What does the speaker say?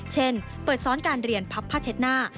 เช่นเปิดซ้อนการเรียนพับผ้าเช็ดหน้า